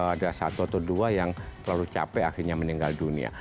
ada satu atau dua yang terlalu capek akhirnya meninggal dunia